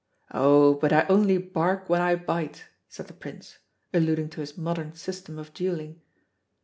"Oh, but I only bark when I bite," said the Prince, alluding to his modern system of duelling.